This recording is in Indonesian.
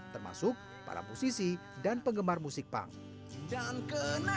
termasuk para musisi dan penggemar musik punk